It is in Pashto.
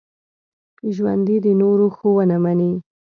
ژوندي د نورو ښوونه مني